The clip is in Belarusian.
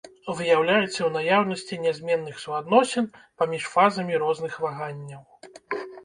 Выяўляецца ў наяўнасці нязменных суадносін паміж фазамі розных ваганняў.